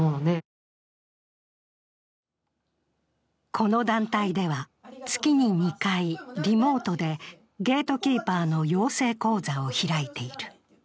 この団体では月に２回、リモートでゲートキーパーの養成講座を開いている。